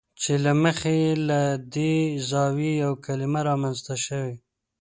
چې له مخې یې له دې زاویې یوه کلمه رامنځته شوې ده.